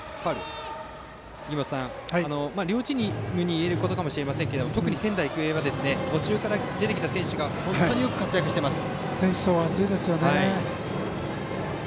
杉本さん、両チームにいえることかもしれませんが特に仙台育英は途中から出た選手が選手層が厚いですね。